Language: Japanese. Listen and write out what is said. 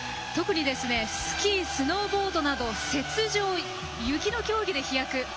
特に、スキー・スノーボードなど雪上、雪の競技で飛躍。